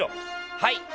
はい！